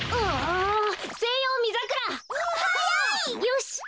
よし！